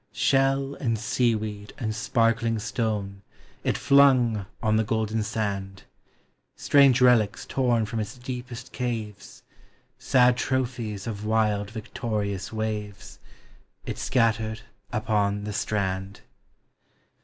Shell, and seaweed, and sparkling stone, It flung on the golden sand. Strange relics torn from its deepest eaves, Sad trophies of wild victorious waves. It scattered upon the strand.